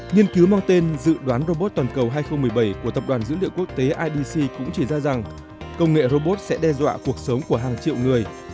nhiên cứu mang tên dự đoán robot toàn cầu hai nghìn một mươi bảy của tập đoàn dữ liệu quốc tế idc cũng chỉ ra rằng công nghệ robot sẽ đe dọa cuộc sống của hàng triệu người